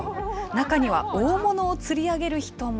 中には、大物を釣り上げる人も。